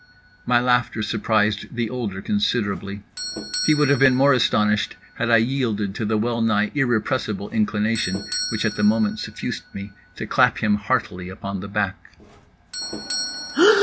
My laughter surprised the older considerably. He would have been more astonished had I yielded to the well nigh irrepressible inclination, which at the moment suffused me, to clap him heartily upon the back.